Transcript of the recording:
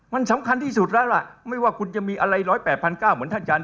มันสำคัญที่สุดแล้วล่ะไม่ว่าคุณจะมีอะไร๑๐๘๙๐๐เหมือนท่านจันท